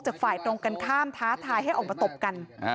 ฝ่ายตรงกันข้ามท้าทายให้ออกมาตบกัน